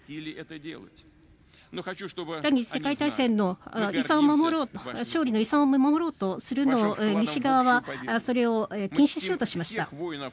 第２次世界大戦の勝利の遺産を守ろうとするのを西側はそれを禁止しようとしました。